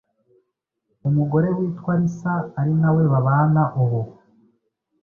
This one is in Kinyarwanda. umugore witwa Lisa ari nawe babana ubu.